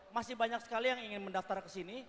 masih banyak sekali yang ingin mendaftar ke sini